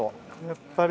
やっぱり。